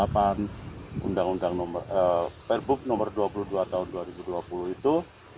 perbuk nomor dua puluh dua tahun dua ribu dua puluh itu